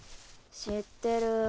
知ってる。